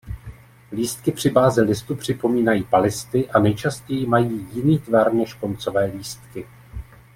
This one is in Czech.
Lístky při bázi listu připomínají palisty a nejčastěji mají jiný tvar než koncové lístky.